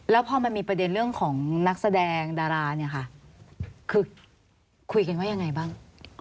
แล้วพอมันมีประเด็นเรื่องของนักแสดงดาราเนี่ยค่ะคือคุยกันว่ายังไงบ้าง